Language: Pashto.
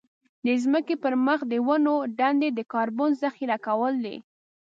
د ځمکې پر مخ د ونو دندې د کاربن ذخيره کول دي.